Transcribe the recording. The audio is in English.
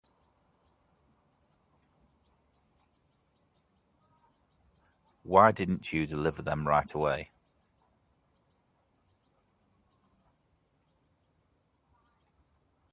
Why didn't you deliver them right away?